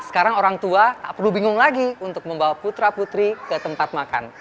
sekarang orang tua tak perlu bingung lagi untuk membawa putra putri ke tempat makan